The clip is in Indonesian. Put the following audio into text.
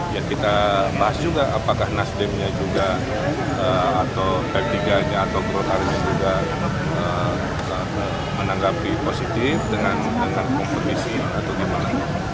ya kita bahas juga apakah nasdemnya juga atau p tiga nya atau golkarnya juga menanggapi positif dengan kompetisi atau gimana